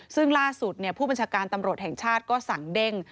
ซึ่งล่าสุดผู้บัญชาการตำรวจแห่งชาติก็สั่งเด้ง